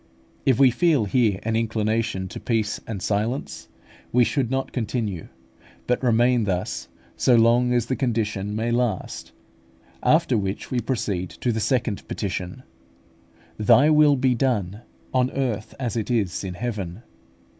If we feel here an inclination to peace and silence, we should not continue, but remain thus so long as the condition may last; after which we proceed to the second petition, "Thy will be done on earth, as it is in heaven."